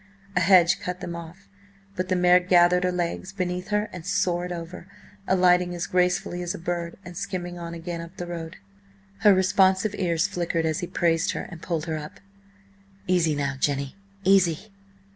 A hedge cut them off, but the mare gathered her legs beneath her and soared over, alighting as gracefully as a bird, and skimming on again up the road. Her responsive ears flickered as he praised her, and pulled her up. "Easy now, Jenny, easy!"